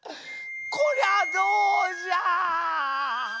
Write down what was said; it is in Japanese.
こりゃどうじゃ。